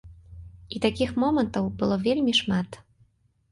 І такіх момантаў было вельмі шмат.